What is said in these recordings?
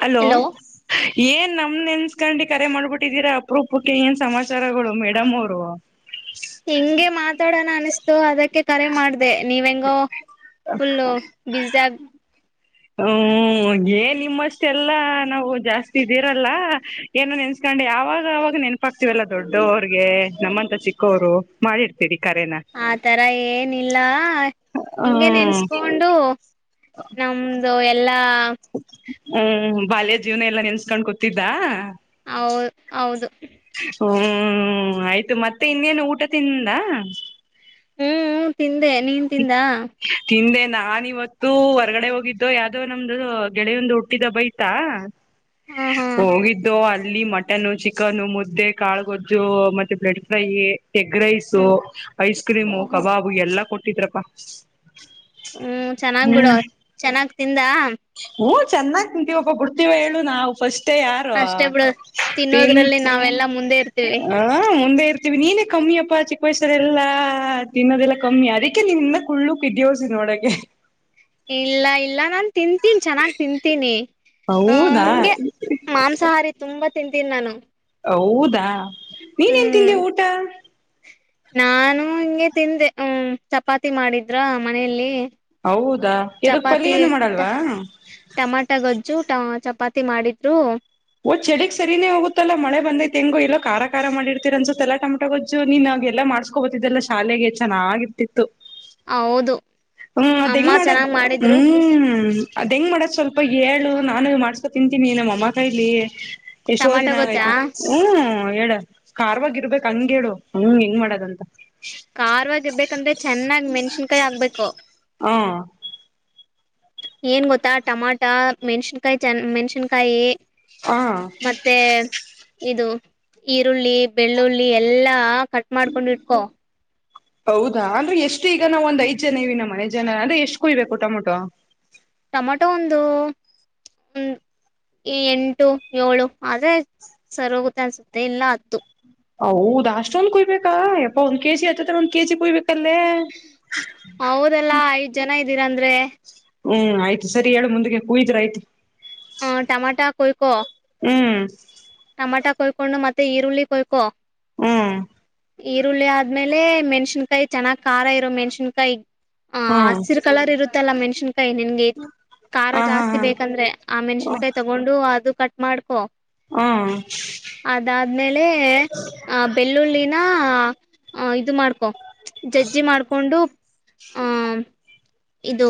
Hello ಏನ್ ನಮ್ ನೆನ್ಸ್ಕಂಡಿ ಕರೆ ಮಾಡ್ಬಿಟ್ಟಿದೀರಾ ಅಪ್ರೂಪಕ್ಕೆ ಏನ್ ಸಮಾಚಾರಗಳು ಮೇಡಮ್ಮೋರು. ಹೆಿಂಗೆ ಮಾತಾಡೋಣ ಅನಿಸತ ಸೊ ಅದಕ್ಕೆ ಕರೆ ಮಾಡ ಎ ನೀವೆಂಗೋ ಫುಲ್ಲು ಬ್ಯುಸಿಯಾಗ್ ಹ್ಮ ಏ ನಿಮ್ಮಷ್ಟೆಲ್ಲಾ ನಾವು ಜಾಸ್ತಿ ಇದ್ದೀರಲ್ಲ ಏನೋ ನೆನ್ಸ್ಕೊಂಡು ಯಾವಾಗ ಆವಾಗ ನೆನಪಾಗ್ತಿವಲ್ಲ ದೊಡ್ಡವ್ರಗೆ ನಮ್ಮಂತ ಚಿಕ್ಕೋ್ರು ಮಾಡಿರ್ತೀರಿ ಕರೆನ ಆ ತರ ಏನಿಲ್ಲ ಹಿಂಂಗಗೆ ಹ್ಮ್ ನೆನ್ಸ್ಕೊಂಡು ನಮ ಅ ಎಲ್ಲಾ ಹ್ಮ ಬಾಲ್ಯ ಜೀವನ ಎಲ್ಲಾ ನೆನ್ಸ್ಕೊಂಡ್ ಕೂತಿದ್ದ ಹೌ ಹೌದು ಹ್ಮ್ ಆಯ್ತು ಮತ್ತೆ ಇನ್ನೇನು ಊಟ ತಿಂದ ಹ್ಮ್ ತಿಂದೆ ನೀನ್ ತಿಂದಾ ತಿಂದೇನೆ ನಾನ ಇಿವತ್ತು ಹೊರ್ಗಡೆ ಹೋಗಿದ್ದು ಯಾವ್ದೋ ನಮ್ದು ಗೆಳೆಯೊಂದು ಹುಟ್ಟಿದ ಬೈತಾ ಹಾ ಹಾ ಹೋಗಿದ್ದು ಅ ಅಲ್ಲಿ ಮಟನ್ನು ಚಿಕನ್ ಮುದ್ದೆ ಕಾಳುಗೊಜ್ಜು ಮತ್ತೆ ಬ್ರೆಡ್ ಫ್ರೈ ಎಗ್ ರೈಸು ಹ್ಮ್ ಐಸ್ ಕ್ರೀಮು ಓಹೋ ಕಬಾಬು ಎಲ್ಲ ಇದ್ರಪ್ಪ ಹ್ಮ್ ಚೆನ್ನಾಗ್ ಬಿಡ ಚೆನ್ನಾಗ್ ಇದಂದಾ ಚೆನ್ನಾಗಿ್ ನಿಂತೀವಪ್ಪಬ ಬುಡ್ತೀವ ಹೇಳು ನಾವು ಫಸ್ಟ್ ಅಷ್ಟೇ ಬಿಡ ತಿನ್ನೋದ್ರಲ್ಲಿ ನಾವೆಲ್ಲಾ ಮುಂದೆ ಇರ್ತವಿ ಹ ಮುಂದೆ ಇರ್ತೀವಿ ನೀನೇ ಕಮ್ಮಿ ಅಪ್ಪಾ ಚಿಕ್ಕ ವಯ್ಸರೆ ಎಲ್ಲಾ ತಿನ್ನೋದೆಲ್ಲ ಕಮ್ಮಿ ಅದಕ್ಕೆ ನೀನ್ನ ಕುಲುಕೆ ದ್ಯಸಿ ನೊಳಗೆ ಇಲ್ಲ ಇಲ್ಲ ನಾನ್ ತಿಂತೀನಿ ಚೆನ್ನಾಗ್ ತಿಂತೀನಿ ಅ ಹಊದಾ ಹಂಗೆ ಮಾಂಸಾಹಾರಿ ತುಂಬಾ ತಿಂತೀನಿ ನಾನು ಹೌದಾ ನೀನು ಏನು ತಿಂದೆ ಹ್ಮ್ ಊಟ ನಾನು ಹಿಂಗೆ ತಿಂದೆ ಹ ಚಪಾತಿ ಮಾಡಿದ್ರ ಮನೆಯಲ್ಲಿ ಹೌದಾ ಎದಕ್ ಚಪಾತಿ ಪಲ್ಯ ಏನು ಮಾಡಲ್ವಾ ಟಮಾಟ ಗಜ್ಜುಟ ಚ ಚಪಾತಿ ಮಾಡಿದ್ರು ಓ್ ಚಳಿಗ್ ಸರಿನೇ ಹೋಗುತ್ತಲ್ಲ ಮಳೆ ಬಂದೈತೆ ಹೆಂಗ ಇಲ್ಲೋ ಖ ಖ ಮಾಡಿರ್ತೀರ ಅನ್ಸುತ್ತೆ ಎಲ್ಲ ಟೊಮೊಟೊ ಗೊಜ್ಜು ನೀನ್ ಎಲ್ಲ ಮಾಡಸ್ಕೊ ಬತಿದ್ದಲ್ಲ ಶಾಲೆಗೆ ಚೆನ್ನಾಗಿರ್ತಿತ್ತು ಹೌದು ಹ್ಮ್ ಅದ್ ಅಮ್ಮ ಹೆಂಗ್ ಮಾಡದು್ ಚೆನ್ನಾಗ್ ಮಾಡಿದ್ರು ಹ್ಮ್ ಅದ್ ಹೆಂಗ್ ಮಾಡದ ಸ್ವಲ್ಪ ಏು ನಾನು ಮಾಡ್ಸ್ಕೊ ತಿಂತೀನಿ ನಮ್ಮ ಅಮ್ಮ ಕೈಲಿ ಎಷ್ಟೋ ಟಮಾಟ ದಿನ ಗೊಜ್ಜಾ ಆಗೈತೆ ಹ್ಮ್ ಹೇಳ ಕಾರವಾಗಿ ಇರ್ಬೇಕಕ್ ಹಂಗ ಹೇಳು ಹಂಗ್ ಹೆಂಗ್ ಮಾಡದಂತ ಕಾರವಾಗಿರ್ಬೇಕಂದ್ರೆ ಚೆನ್ನಾಗ್ ಮೆಣಸಿನ್ಕಾಯಿ ಆಗ್ಬೇಕು ಹಾ ಏನ್ ಗೊತ್ತಾ ಟಮಾಟ ಮೆಣ್ಸಿನ್ಕಾಯಿ ಚ ಮೆಣ್ಸಿನ್ಕಾಯಿ ಹ ಮತ್ತೆ ಇದು ಈರುಳ್ಳಿ ಬೆಳ್ಳುಳ್ಳಿ ಎಲ್ಲಾ ಕಟ್ ಮಾಡ್ಕೊಂಡಿಟ್ಕೊ ಹೌದಾ ಅಂದ್ರೆ ಎಷ್ಟು ಈಗ ನಾವ ಒಂದ ಐದ್ ಜನ ಇವ ನ ಮನೆ ಜನ ಅಂದ್ರೆ ಎಷ್ಟ್ ಕುಯ್ಬೇಕು ಟೊಮೊಟೊ ಟೊಮಟೊ ಒಂದು ಎಂಟು ಏಳು ಆದ್ರೆ ಸರಿೋಗುತ್ತೆ ಅನ್ಸುತ್ತೆ ಇಲ್ಲ ಅದ್ದು ಹೌದ ಅಷ್ಟೊಂದ್ ಕುಯ್ಬೇಕಾ ಯಪ್ಪಾ ಒಂದ ಕೆಜಿ ಆಐತದ್ರ ಒಂದ ಕೆಜಿ ಕುಯ್ಬೇಕು ಹೌದಲ್ಲ ಐದ್ ಜನ ಂದಿರಂದ್ರೆ ಹ್ಮ್ ಆಯ್ತು ಸರಿ ಹೇಳು ಮುಂದಕ್ಕೆ ಕುೂಯಿದ್ರ ಆಯ್ತು ಹೊಯ್ಕೋ ಹ್ಮ್ ಟಮಾಟಾ ಕೊಯ್ಕೊಂಡು ಮತ್ತೆ ಈರುಳ್ಳಿ ಕೊಯ್ಕೊ ಹ್ಮ್ ಈರುಳ್ಳಿ ಆದ್ಮೇಲೆ ಮೆಣ್ಸಿನ್ಕಾಯಿ ಚೆನ್ನ್ ಖಾರ ಇರೋ ಮೆಣ್ಸಿನ್ಕಾಯಿ ಹ ಹ್ಮ್ ಹಸಿರ್ ಕಲರ್ ಇರುತ್ತಲ್ಲಾ ಮೆನ್ಷ ಕೈ ನಿನ್ಗೆ ಖಾರ ಹ ಜಾಸ್ತಿ ಹಾ ಬೇಕಂದ್ರೆ ಆ ಹಾ ಮೆಣಸಿನ್ಕಾಯಿ ತಗೊಂಡು ಅದು ಕ ಮಾಡಡ್ಕೋ ಹ್ಮ್ ಅದಾದ್ಮೇಲೆ ಆ ಬೆಳ್ಳುಳ್ಳಿನ ಹ ಇದು ಮಾಡ್ಕೊ ಜಜ್ಜಿ ಮಾಡ್ಕೊಂಡು ಆಹ ಇದು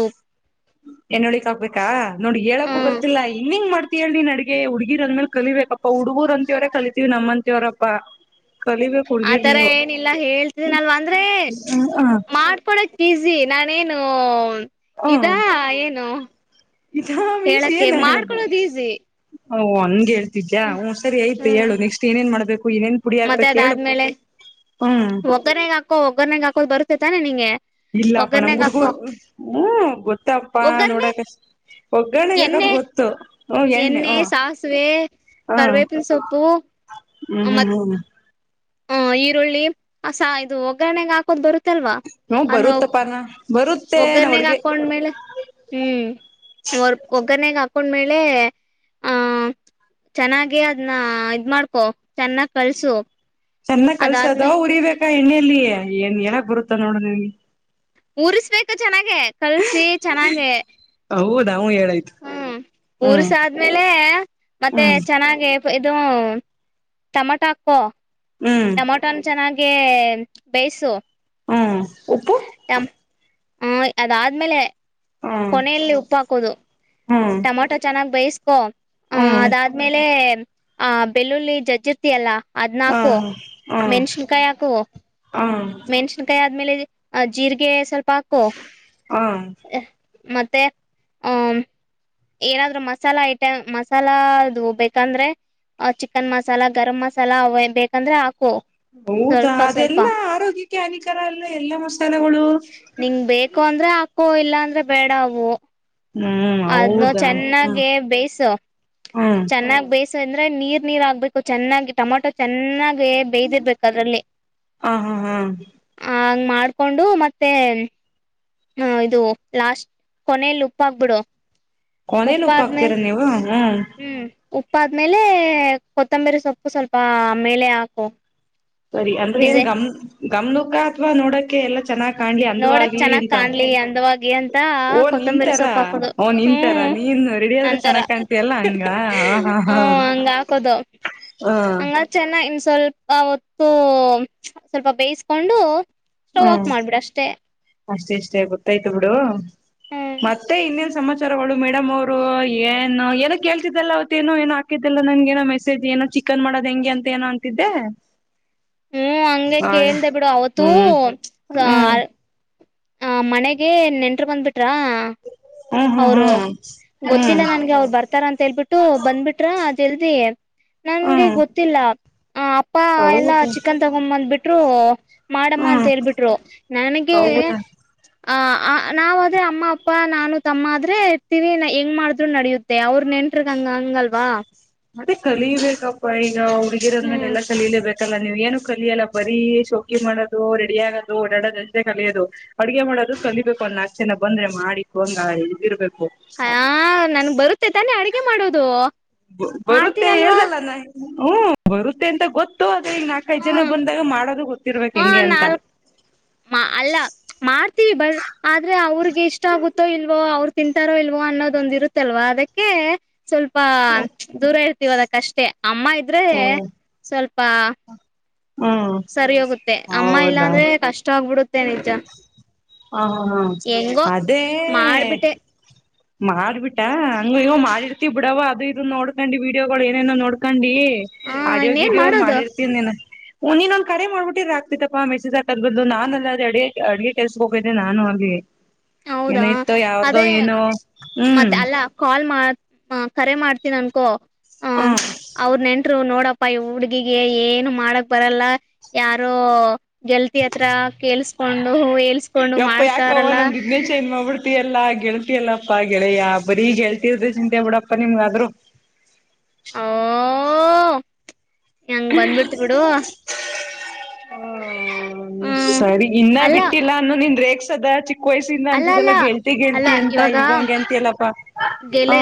ಏನ್ ಉಳ್ಕ್ ಹೋಗಕ್ಬೇಕಾ ನೋಡಿ ಹೇಳಕ ಹ್ಮ್ ಬರ್ತಿಲ್ಲ ಇನ್ ಹಂಗ ಮಾಡ್ ಕ ಅಿ ನಡಗೆ ಹುಡ್ಗಿರ್ ಅಂದ್ಮೇಲೆ ಕಲಿಬೇಕಪ್ಪಾ ಹುಡುಗೂರ್ ಅಂತತ್ಯವರೇ ಕಲಿತೀವಿ ನಮ್ಮಂತವರಪ್ಪಾ ಆತರ ಏನಿಲ್ಲ ಹೇಳ್ತಿದಿನಲ್ವ ಅಂದ್ರೆ ಹ ಮಾಡ್ಕೊಡಕ್ ಈಸಿ ನಾನೇನು ಇದಾ ಏನು ಇ ಮೀನ್ಸ್ ಹೇಳಕ್ಕೆ ಏನ ಹೇಳುದು ಮಾಡ್ಕೊಳೋದ್ ಈಸಿ ಹ ಹನ್ಗೆಿ ನಿಜಾ ಹ್ ಸರಿಯ್ತು ಹ್ಮ್ ಹೇಳು ನೆಕ್ಸ್ಟ್ ಏೇನ್ ಮಾಡ್ಬೇಕು ಏನೇನ್ ಪುಡಿ ಮತ್ತೆ ಹಾಕ್ಬೇಕು ಹೇಳು ಅದಾದ್ಮೇಲೆ ಹ್ಮ್ ಒಗ್ಗರಣೆಗಾಕೋ ಒಗ್ಗರಣೆಗಾಕೋದ್ ಬರುತ್ ಇ ತಾನೆ ನೀಗೆ ಇಲ್ಲಪ್ಪ ನಮ್ ಹುಡ್ಗೂರು ಹ್ಮ ಗೊತ್ತಪ್ಪಾ ಒಗ್ಗರ್ನೆ ನೋಡಕ ಒಗ್ಗರಣೆ ಯಾಕಪ್ಪ ಎಣ್ಣೆ ಗೊತ್ತು ಹ್ಮ ಎಣ್ಣೆ ಹ್ಮ ಸಾಸಿವೆ ಹಾ ಕರಿವೇಪಿನ ಸೊಪ್ಪು ಹ್ಮ್ ಹ್ಮ್ ಮತ್ ಹ್ಮ್ ಹ ಈರುಳ್ಳಿ ಅ ಸಾ ಇದು ಒಗ್ಗರಣೆಗಾಕೋದ್ ಬರುತ್ ಹು ಬರುತ್ತಪ್ಪ ನ ಒಗ್ಗರ್ನೆಗ್ ಹಾಕೊಂಡ್ಮೇಲೆ ಹ್ಮ್ ಒರ್ ಒಗ್ಗರಣನೆೇಗ್ ಹಾಕ ಹಕೊಂಡ್ಮೇಲೆ ಆ ಚೆನಾಗಿ ಅದ್ನ ಇದ್ ಮಾಡ್ಕೊ ಚೆನ್ನಾಗ್ ಕಲ್ಸು ಚೆನ್ನಾಗ್ ಕಲ್ಸದ ಉರಿಬೇಕ ಅಕ್ಕ ಎಣ್ಣೆಯಲ್ಲಿ ಏನ್ ಎಳಕ್ ಬರುತ್ತಾ ನೋಡ ನಿನ್ಗೆ ಊರಿಸ್ಬೇಕ ಚೆನ್ನಾಗಿ ಹಾಗೆ ಕಲ್ಸಿ ಚೆನ್ನಾಗ ಹೌದಾ ಹೂ ಹೇಳಾಯ್ತು ಹ್ಮ ಹ್ಮ್ ಊರ್ಸ ಆದ್ಮೇಲೆ ಮತ್ತೆ ಹ್ಮ್ ಚೆನ್ನಾಗೆ ಅದು ಟಮಟಾಕ್ಕೋ ಹ್ಮ್ ಟಮಟೊ ಚೆನ್ನಾಗಿ ಗೆ ಬೇಯಸು ಹ್ಮ್ ಉಪ್ಪು ಹ ಅದಾದ್ಮೇಲೆ ಹ್ಮ್ ಕೊನೆಯಲ್ಲಿ ಉಪ್ಪ ಹಾಕೋದು ಹ್ಮ್ ಟಮೊಟೊ ಚೆನ್ನಾಗ ಬೇಸ್ ಕ ಆ ಹ್ಮ್ ಅದಾದ್ಮೇಲೆ ಆ ಬೆಲ್ಲುಲ್ಲಿ ಜೇಜ್ಜಿರ್ತಿಯಲ್ಲ ಹದ್ನಾಾಕು ಹ್ಮ್ ಹ್ಮ್ ಮೆಣಷನ್ಕಾಯ ಹಾಕು ಹ್ಮ್ ಮೆಣ್ಸಿನ್ಕಾಯಿ ಆದ್ಮೇಲೆ ಜೀರ್ಗೆ ಸ್ವಲ್ಪ್ ಪ್ಪಾಕು ಆ ಮತ್ತೆ ಹಾಂ ಎರದ್ರು ಮಸಾಲಾದು ಐಟಮ ಮಸಾಲಾ ಅದು ಬೇಕಂದ್ರೆ ಅ ಚಿಕನ್ ಮಸಾಲಾ ಗರಂ ಮಸಾಲ ಅವ ಬೇಕಂದ್ರೆ ಹ ಹೌದಾ ಅದೆಲ್ಲಾ ಆರೋಗ್ಯಕ್ಕೆ ಹಾನಿಕಾರ ಅಲ್ಲ ಎಲ್ಲಾ ಮಸಾಲೆಗಳು ಕೊಂದ್ರೆ ಹಾಕೋ ಇಲ್ಲಾಂದ್ರೆ ಬೇಡ ಅವು ಹ್ಮ್ ಅದ್ನು ಹೌದಾ ಹ ಚೆನ್ನಾಗೆ ಬೇಯಿಸು ಹ್ಮ್ ಚೆನ್ನಾಗ್ ಬೇಯಿಸ್ ಬೆಂದ್ರೆ ನೀರ್ ನೀರಾಗ್ಬೇಕು ಚೆನ್ನಾಗಿ ಟೊಮಾಟೊ ಚೆನ್ನಾಗ್ ಬೇ್ದಿರ್ಬೇಕು ಅದ್ರಲ್ಲಿ ಹ ಹಾ ಹಾ ಮಾಡ್ಕೊಂಡು ಮತ್ತೆ- ಹ ಇದು ಲಾಸ್ಟ್ ಕೊನೇಲುಪ್ಪಾಕ್ಬಿಡು ಕೊನೇಲ್ ಉಪ್ಪ ಹಾಕ್ತೀರ ನೀವ ಹ್ಮ ಹ್ಮ್ ಉಪ್ಪಾದ್ಮೇಲೆ ಕೊತ್ತಂಬರಿ ಸೊಪ್ಪು ಸ್ವಲ್ಪ ಮೇಲೆ ಹಾಕು ಸರಿ ಅಂದ್ರೆನ್ ಡಿಸೈ ಗಮ್ ಗಮ್ನುಕ್ಕಾ ಅಥವಾ ನೋಡೋಕ್ಕೆ ಎಲ್ಲ ಚೆನ್ನಾಗ್ ಕಾಣ್ಲಿ ನೋಡಕ್ ಅಂದವಾಗಿ ಚೆನ್ನಾಗ್ ಅಂತ ಕಾಣ್ಲಿ ಅಂದವಾಗಿ ಅಂತ ಓ ಕೊತ್ತಂಬರಿ ನಿಂತರ ಸೊಪ್ಪಾಕೋದು ಓ ನಿಂತರ ಹ್ಮ ನೀನ್ ರೆಡಿ ಆದ್ರೆ ನಂತರ ಚೆನ್ನಾಗ್ ಹ ಕಾಣ್ತಿಯಲ್ಲ ಹಂಗ ಹ ಹಾ ಹಾ ಹೂ ಹ ಅಂಗಾಕೋದು ಹಂಗಾರ್ ಚೆನ್ನಾ ಇನ್ಸ್ ಸ್ವಲ್ಪ ಹೊತ್ತು ಸ್ವಲ್ಪ ಬೇಸ್ಕೊಂಡು ಸ್ಟೌಆಫ್ ಮಾಡ್ಬಿಡಷ್ ಅಷ್ಟೇಷ್ಟೇ ಗೊತ್ತಾಯ್ತು ಬಿಡು ಹ್ಮ್ ಮತ್ತೆ ಇನ್ನೇನ್ ಸಮಾಚ್ ರವಳು ಮೇಡಮ್ಮವ್ರು ಏನೂ ಏನೋ ಕೇಳ್ತಿದ್ದಲ್ಲ ಅವತ್ತೇನೋ ಏನೋ ಹಾಕಿದ್ದಲ್ಲ ನಂಗೇನೋ ಮೆಸೇಜ್ ಏನೋ ಚಿಕನ್ ಮಾಡೋದೆಂಗೆ ಅಂತೇನೋ ಅಂತಿದ್ದೆ ಹ್ಮ್ ಹಂಗೆ ಹ್ಮ್ ಕೇಳ್ದ ಬಿಡು ಅವತ್ತುೂ [inaudible] ಹ್ಮ್ ಕಾರ್ ಆ ಮನೆಗೆ ನೆಂಟ್ರ್ ಬಂಬಿಟ್ರಾ ಹ್ಮ್ ಹ್ಮ್ ಅವ್ರು ಹ್ಮ್ ಗೊತ್ತಿಲ್ಲ ಹ್ಮ್ ನನ್ಗೆ ಅವ್ರು ಬರ್ತಾರ ಅಂತೇಳ್ಬಿಟ್ಟು ಬಂದ್ಬಿಟ್ರಾ ಚಲ್ದ [unintelligible] ನನ್ಗೆ ಹ್ಮ್ ಗೊತ್ತಿಲ್ಲ ಆ ಅಪ್ಪಾ ಎಲ್ಲಾ ಹೌದು ಚಿಕನ್ ತಗೋಂಬಬಿಟ್ಟ್ ತ್ರು ಹಾಡಮ್ಮ ಹ್ಮ್ ಅಂತೇಳ್ಬಿಟ್ರು ನನಗೆ ಹೌದಾ ಅ ನಾವ ಅದೆ ಅಮ್ಮ ಅಪ್ಪ ನಾನು ತಮ್ಮ ಆದ್ರೆ ಇತೀವಿ ಹೆಂಗ್ ಮಾಡಿದ್ರು ನಡಿಯುತ್ತೆ ಅವ್ರ ನೆಂಟ್ರಗ್ ಹಂಗ ಹಂಗಲ್ವಾ ಅದೆ ಕಲಬೇಕಪ್ಪ ಈ ನಾವು ಬಗರೋ್ರೇ ಹ್ಮ್ ಎಲ್ಲಲೇಬೇಕು ತ್ತಲ್ಲ ನೀವು ಏನು ಕಲಿಯಲ್ಲ ಬರೀ ಶೋಕಿ ಮಾಡೋದು ರೆಡಿ ಆಗೋದು ಓಡಾಡೋದು ಅಷ್ಟೇ ಕಲಿಯೋದು ಅಡ್ಗೆ ಮಾಡೋದು ಕಲಿಬೇಕು ಒನ್ ನಾಲ್ಕು ಜನ ಬಂದ್ರೆ ಮಾಡಿಿಕು ಹಂಗ ಇ್ದಿರ್ಬೇಕು ಹ ನನ್ಗ್ ಬರುತ್ತೆ ತಾನೆ ಅಡಗೆ ಮಾಡೋದು ಬರುತ್ತೆ ಮಾಡ್ತೀನಲ್ವಾ ಹೇಳ್್ದಲ್ಲನಾ ಹ್ಮ ಬರುತ್ತೆ ಅಂತ ಗೊತ್ತು ಅ ಈಗ ನಾಕಐದ್ ಹ್ಮ ಜನ ಬಂದಾಗ ಮಾಡೋದು ಗೊತ್ತಿರ್ಬೇಕಕ್ ಹ ಹೆಂಗೆ ಅಂತ ನಾಲ್ಕ ಅಲ್ಲ ಮಾ ಮಾಡ್ತೀವಿ ಬ ಆದ್ರೆ ಅವ್ರಿಗೆ ಇಷ್ಟ ಆಗುತ್ತೋ ಇಲ್ವೋ ಅವ್ರರು ತಿನ್ಂತಾರೋ ಇಲ್ವೋ ಅನ್ನೋದೊಂದಿರುತ್ತಲ್ವಾ ಅದಕ್ಕೆ ಸ್ವಲ್ಪ ದೂರ ಇರ್ ೋದಕ್ಕಷ್ಟೇ ಅಮ್ಮ ಇದ್ರೆ ಹ್ಮ್ ಸ್ವಲ್ಪ ಹ್ಮ್ ಸರಿ ಹೋಗುತ್ತೆ ಅಮ್ಮ ಇಲ್ಲಾ ಹೌದಾ ಅಂದ್ರೆ ಕಷ್ಟ ಆಗ್ಬಿಡುತ್ತೆ ನಿಜ ಹ ಹಾ ಹಾ ಹೆಂಗೋ ಅದೇ ಮಾಡ್ಬಿಟ್ಟೆ ಮಾರ್ಬಿಟ್ಟ ಹಂಗ ಇವೋ ಮಾಡಿರ್ತಿೀ ಬಿಡವ ಅದು ಇದ ನೋಡ್ಕೊಂಡಿ ವಿೀಡಿಯೋಗಳು ಏನೇನೋ ನೋಡ್ಕೊಂಡಿ ಹ ಆಡಿಯೋ ಇನ್ನೇನ್ ಗಿಡಿಯೋ ಮಾಡೋದು ಮಾಡಿರ್ತೀನಿ ನೀನ್ ಹ್ ಇನ್ೊಂದ್ ಕರೆ ಮಾಡ್ಬಿಟ್ಟಿದ್ರೆ ಆಗ್ತತ್ತಪ್ಪ ಮೆಸೇ್ ಆಾಕದ ಬದಲ್ ನಾನ ಅಲ್ಲ ಅದೆಡೆ ಅಡ್ಗೆ ಕೆಲ್ಸ ಹೋಗಿದ್ದೆ ನಾನು ಆ ಹಾಗಗ್ಲಿ ಹೌದಾ ಅದೇ ಹ್ಮ್ ಮತ್ತೆ ಅಲ್ಲ ಕಾಲ್ ಮಾಡ್ ಹ ಕರೆ ಮಾಡ್ತಿ ಅನ್ಕೋ ಹ ಹ್ಮ್ ಅವ್ರ ನೆನ್ ನೋಡಪ್ಪಾ ಈ ಹುಡ್ಗಿಗೆ ಏನು ಮಾಡಕ್ ಬರಲ್ಲ ಯಾರೋ ಗೆಲ್ತಿ ಹತ್ರ ಕೆಲ್ಸ್ಕೊಂಡು ಎಲ್ಸ್ಕೊಂಡು ಮಾಡ್ತಾರಲ್ಲ ಇ ಚೈನ್ಮ ಅವ ತ ಎಲ್ಲಾ ಗೆಳ್ತಿಯಲ್ಲಪ್ಪಾ ಗೆಳೆಯ ಬರೀ ಗೆಳ್ತರ್ದ ಚಿಂತೆ ಬಿಿಡಪ್ಪಾ ನಿಮ್ಗಾದ್ರು ಹೆಂಗ ಬಂದ್ಬಿಡ್ತಿ ಬಿಡು ಹ್ಮ ಹ್ಮ್ ಸರಿ ಇನ್ನ ಅಲ್ಲ ಬಿಟ್ಟಿಲ್ಲ ಅನ್ನ ನಿಂದ ರೇಕ್ ಸದ ಚ ಕೊಯ್ಸಿಂದ ಅಲ್ಲ ಅಲ್ಲ ಅಂತಿದೆಲ್ಲ ಗೆಲ್ತಿ ಅಲ್ಲ ಗೆಲ್ತಿ ಅಂತ ಇವಾಗ ಈಗ ಹಂಗೆ ಅಂತಿಯಲ್ಲಪಾ ಹ ಗೆಲೆ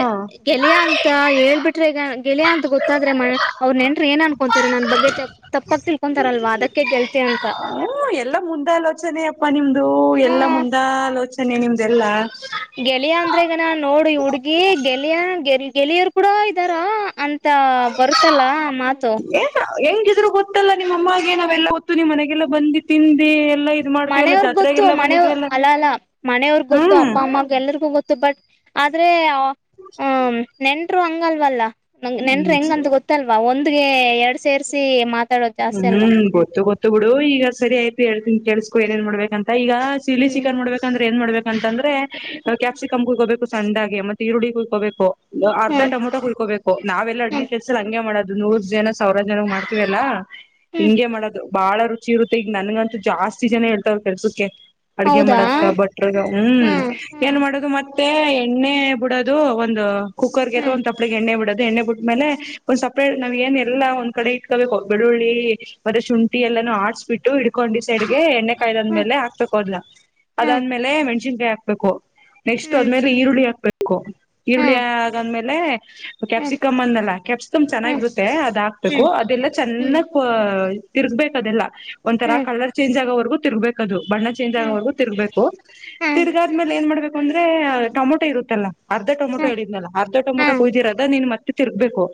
ಗೆಳಾ ಅಂತ ಗೊತ್ತಾದ್ರೆ ಅವ್ ನೆನ್ ಏನ್ ಅನ್ಕೋಂತತಾರೆ ನನ್ ಬಗ್ಗೆ ತಪ್ಪಕ್ ತಿಳ್ಕೊಂತಾರಲ್ವಾ ಅದ ೇ ಹ್ಮ ಎಲ್ಲ ಮುಂದ ಆಲೋಚನೆ ಪ್ಪ ನಿಮ್ದು ಎಲ್ಲ ಹ್ಮ್ ಮುಂದ ಆಲೋಚನೆ ನ್ನೆ ನಿಮ್ದೆಲ್ಲಾ ಗೆಳಿಯ ಅಂದ್ರೆಗ ನಾ ನೋಡಿ ಹುಡ್ಗಿ ಗೆಳಿಯ ಗೆಳಿಯರ್ ಕೂಡ ಇದಾರ ಅಂತ ಬರುತ್ತಲ್ಲ ಮಾತು ಏ ಹೆಂಗಿದ್ರು ಗೊತ್ತಲ್ಲ ನಿಮ್ಮ ಅಮ್ಮಾಗೆ ನಾವೆಲ್ಲಾ ಹೊತ್ತು ನಿಮ್ ಮನೆಗೆಲ್ಲ ಬಂದುಿ ತಿಿಂದಿ ಮನೆಯವ್ರಗ್ ಗೊತ್ತು ಮನೆಯವ ಅಲ್ಲ ಅಲ್ಲ ಮನೆಯವ್ರಗ್ ಗೊತ್ತು ಹ್ಮ್ ಅಪ್ಪ ಅಮ್ಮ ಎಲ್ರಿಗೂ ಗೊತ್ತು ಬಟ್ ಆದ್ರೆ ಹ್ಮ ನೆಂಟರು ಹಂಗಲ್ವಲ್ಲ ನಂಗ್ ನೆನ್್ರ ಹ್ಮ್ ಹೆಂಗಂದ ಗೊತ್ತಲ್ ಒಂದ್ಗೆ ಎರಡು ಸೇರಿಸಿ ಮಾತ್ ಹ್ಮ್ ಗೊತ್ತು ಗೊತ್ತು ಬಿಡು ಈಗ ಸರಿ ಆಯ್ತು ಹೇಳ್ತನ್ ಕೆಳ್ಸ್ಕ ನನ್ ಮಾಡ್ಬೇಕಂತ ಈಗ ಚಿಲ್ಲಿ ಹ್ಮ್ ಚಿಕನ್ ಮಾಡ್ಬೇಕಂದ್ರೆ ಏನ್ ಮಾಡ್ಬೇಕು ಅಂತಂದ್ರೆ ಕ್ಯಾಪ್ಸಿಕಮ್ ಕುಯ್ಕೋಬೇಕು ಸಣ್ಣಾಗೆ ಮತ್ತೆ ಈರುಳ್ಳಿ ಕುಯ್ಕೋಬೇಕು ಅರ್ಧ ಹ್ಮ್ ಟಮಟ ಕುಳ್ಕೋಬೇಕುಾವೆಲ್ಲ ಅಡ್ಗೆ ಹ್ಮ್ ಕೆಳ್ಸ್ರ ಹಂಂಗ ಮಾಡೋದು ನೂರ್ ಜನ ಸಾವಿರ ಜನ ಮಾಡ್ತೀವಲ್ಲಾ ಹ್ಮ್ ಹಿಂಂಗಗೆ ಮಾಡೋದು ಬಾಳ ವಋತ್ತಿ ಚ್ಚಿ ಇರುತ್ತೆ ಈಗ ನನ್ಗಂತೂ ಜಾಸ್ತಿ ಜನ ಹೇಳ್ತ್ರ ಕೆಲ್ಸಕ್ಕೆ ಅಡ್ಗೆ ಹೌದಾ ಮಾಡದಕ ಬಟ್ರಗ ಹ್ಮ್ ಏನ್ ಮಾಡದು ಮತ್ತೆ ಮತ್ತೆ ಎಣ್ಣೆ ಬಿಡೋದು ಒಂದು ಕುಕ್ಕರ್ಗೆ ಒ ಹ್ಮ್ ತಪ್ಡೆ ಎಣ್ಣೆ ಬಿಡದು ಎ್ಣೆ ಬಿಟ್ಟ ಮ್ಮೇ ಒಂದ್ ಸಪ್ರೇಟ್ಾವ್ ಏನ್ ಎಲ್ಲ ಒಂದ್ಡೆ ಇಟ್ಕಬೇಕು ಬೆಳ್ಳುಳ್ಳಿ ಮತ್ತೆ ಶುಂಠಿ ಎಲ್ಲಾನೂ ಆಡ್ಸ್ ಬಿಿಟ್ಟು ಹ ಕೊಂಡಿ ಸೈಡ್ಗೆ ಎಣ್ಣೆ ಕಾಯ್ದ್ಾದ್ಮೇಲೆ ಹಕ್ಬೇಕ ಹದಾ ಹ್ಮ್ ಅದಾದ್ಮೇಲೆ ಮೆಣಸನ್ಕಾಯಿ ಹಬೇಕು ನೆಕ್ಸ್ಟ್ ಹ್ಮ್ ಹ್ಮ್ ಅದ್ಮೇಲೆ ಈರುಳ್ಳಿ ಹಾಕ್ಬೇಕು ಈರುಳ್ಳಿ ಹ್ಮ್ ಆಗಾದ್ಮೇಲೆ ಹ್ಮ್ ಕ್ಯಾಪ್ಸಿಕಮ್ ಅಂದಲ್ಲ ಕ್ಯಾಪ್ಸಿಕಮ್ ಹ್ಮ್ ಚೆನ್ನಾಗಿರುತ್ತೆ ಅದ ಹಾಕ್ಬೇಕು ಹ್ಮ್ ಅದೆಲ್ಲ ಎ ಕೊ ತಿರ್ಗ್ಬೇಕದೆಲ್ಲ ಹ್ಮ್ ಹ್ಮ್ ಒಂಥರಾ ಹ್ಮ್ ಕಲರ್ ಚೇಂಜ್ ಆಗೋವರ್ಗೂ ತಿರ್ಬೇಕದು ಬಣ್ಣ ಚೇಂಜ್ ಹ್ಮ್ ಆಗೋವರು ತಿರ್ಗ್ಬೇಕು ಹ್ಮ್ ತಿರ್ಗಾದ್ಮೇಲೆ ಏನ್ ಮಾಡ್ಬೇಕು ಅಂದ್ರೆ ಟೊಮೊಟೊ ಇರುತ್ತಲ್ಲಾ ಅರ್ಧ ಟೊಟೋ ಹ್ಮ್ ಹೇಳಿದ್ನಲ್ಲ ಅರ್ಧ ಟಮೊಟೋ ಹ್ಮ್ ಕುಯ್ದಿರದಾ ನೀನ್ ತಿ ತಿರ್ಗಬೇಕು.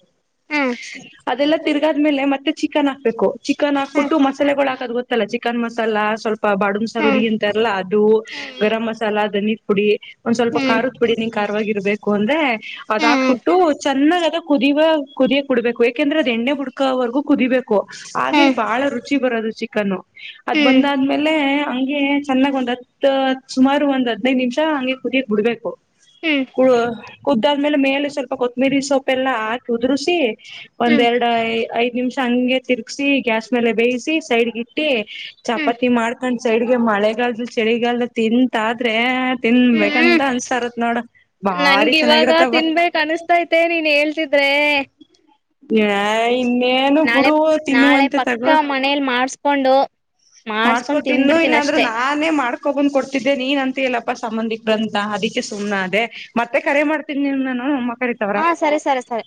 ಅದೆಲ್ಲ ತಿರ್ ಆದ್ಮೇಲೆ ಮತ್ತೆ ಚಿಕನ್ ಹಕ್ಬೇಕು ಚಿಕನ್ ಹಾಕ್ಬಿಟ್ಟು ಮಾಲಗಳು ಹಾಕದ ಲ್ಲ ಚಿಕನ್ ಮಸಾಲ ಸ್ವಲ್ಪ ಬಾಡನ್ ಸಾರುಡಿ ಅಂತಾರಲ್ಲಾ ಅದು ಗರಂ ಮಸಾಲ ಅನಿ ಕುಡಿ ಒಂದ್ ಸ್ವಲ್ಪ ಕರದ ಪುಡಿ ನೀ ಾರವಾಗಿರ್ಬೇಕು ಅಂದ್ರೆ ಅದ ಹಾಕ್ಬಿಟ್ಟು ಚೆನ್ನಾಗ ಅದ ಕುದಿಯುವ ಕುದಿಯ ಕುಡ್ಬೇಕು ಯಾಕೆಂದ್ರೆ ಅದ ಎಣ್ಣೆ ಬುಡ್ಕೋವರೆಗೂ ಕುದಿಬೇಕು ಹಾಗೆ ನನ್ಗ ಬಹಳ ರುಚಿ ಬರದು ಚಿಕನ್ ಅದ್ ಬಂದಾದ್ಮೇಲೆ ಹಂಗೆ ಚೆನ್ನಾಗ್ ಒಂದ್ ಹತ್ ಸುಮಾರು ಒಂದ್ ಹದ್ನೈದು ನಿಮಿಷ ಹಂಗೆ ಕುರಿಿಯಕ್ ಬಿಡ್ಬೇಕು ಕುಳು ಕುದ್ದಾದ್ಮೇಲೆ ಮೇಲೆ ಸ್ವಲ್ಪ ಕೊತ್ತಂಬಿರಿ ಸೊಪ್ಪು ಎಲ್ಲ ಹಾಕಿ ಉದುರಿಸಿ ಒಂದೆರಡ್ ಐ. ಐದು ನಿಮ್ಷ್. ಹಂಗೆ ತಿರ್ಗ್ಸಿ ಗ್ಯಾಸ್ ಮೇಲೆ ಬೇಯಿಸಿ ಸೈಡ್ಗ ಇಟ್ಟಿ ಚಪಾತಿ ಮಾಡ್ಕೊಂಡ್ ಸೈಡ್ಗೆ ಮಳೆಗಾಲದ ಚಳಿಗಾಲದ ತಿಂತಾದ್ರೆ ತಿನ್ಬೇಕಂತ ಅನ್ಸ್ತ ಇರು ನೋಡ ನನ್ಗ್ ಇವಾಗ ತಿನ್ಬೇಕ್ ಅನುಸ್ತಾ ಐತೆ ನೀನ್ ಹೇಳ್ತಿದ್ರೆ. ಹ ನಾಳೆ ನಾಳೆ ಪಕ್ಕ ಮನೇಲಿ ಮಾಡಸ್ಕೊಂಡು. ಮಾಡ್ಸ್ಕೊ ಮಾಡಸ್ಕೊಂಡ್ ತಿ ಇನ್ನುೂ ತಿನ್ಬಿಡ್ತೀನ ಇಲ್ಲಾಂದ್ರೆ ಅಷ್ಟೇ ನಾನೇ ಮಾಡ್ಕೊಬಂದ್ ಕೊಡ್ತಿದ್ದೆ ನೀನ್ ಅಂತ ಹೇಳಲ್ಲಪ್ಪಾ ಸಂಬಂಧಿ ್ರಂತ ಅದಕ್ಕೆ ಸುಮ್ನೆ ಅದೇ ಮತ್ತೆ ಕರೆ ಮಾಡ್ತೀನಿ ನೀ ನಾನು ಮ ಹಾ ಸರಿ ಸರಿ ಸರಿ